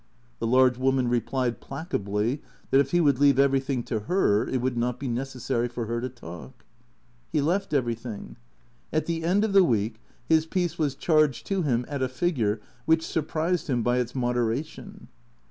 The large woman replied placably that if he would leave every thing to her, it would not be necessary for her to talk. He left everything. At the end of the week his peace was charged to him at a figure which surprised him by its modera tion.